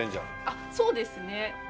あっそうですね。